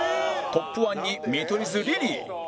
トップ１に見取り図リリー